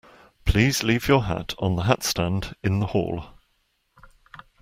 Please leave your hat on the hatstand in the hall